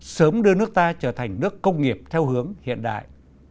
sớm đưa nước ta trở thành nước công nghiệp theo hướng hiện đại